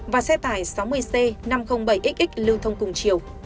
và xe tải sáu mươi c năm trăm linh bảy x lưu thông cùng chiều